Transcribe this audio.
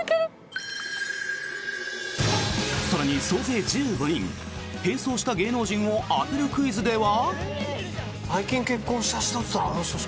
更に、総勢１５人変装した芸能人を当てるクイズでは。